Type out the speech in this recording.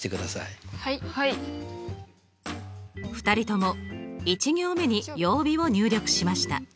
２人とも１行目に「曜日」を入力しました。